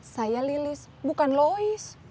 saya lilis bukan lois